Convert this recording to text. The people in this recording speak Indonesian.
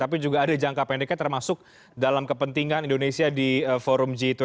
tapi juga ada jangka pendeknya termasuk dalam kepentingan indonesia di forum g dua puluh